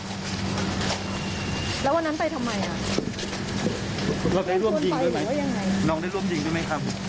ไม่ได้ร่วมรู้ว่าเราไม่ได้รู้ว่ามีเหตุสถิตย์การนี้ตอนนี้ก็ไม่ได้ร่วมรู้มั้ยครับ